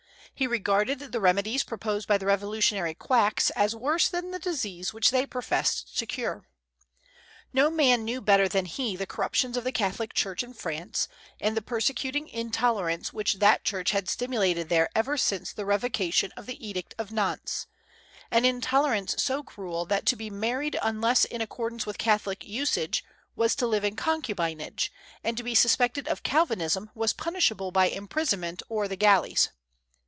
He regarded the remedies proposed by the Revolutionary quacks as worse than the disease which they professed to cure. No man knew better than he the corruptions of the Catholic church in France, and the persecuting intolerance which that church had stimulated there ever since the revocation of the Edict of Nantes, an intolerance so cruel that to be married unless in accordance with Catholic usage was to live in concubinage, and to be suspected of Calvinism was punishable by imprisonment or the galleys.